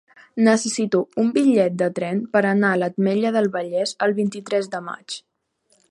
Necessito un bitllet de tren per anar a l'Ametlla del Vallès el vint-i-tres de maig.